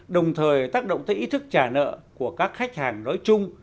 đồng thời tác động tới ý thức trả nợ của các khách hàng nói chung